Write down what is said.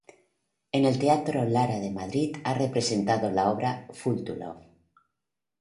En el Teatro Lara de Madrid ha representado la obra "Fool for love".